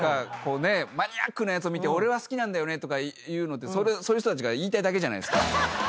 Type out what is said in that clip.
マニアックなやつを見て「俺は好きなんだよね」とか言うのってそういう人たちが言いたいだけじゃないですか。